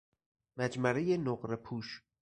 مجمره نقره پوش